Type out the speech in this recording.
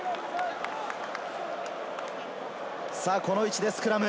この位置でスクラム。